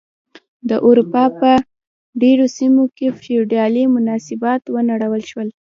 د اروپا په ډېرو سیمو کې فیوډالي مناسبات ونړول شول.